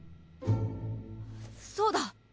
そうだ。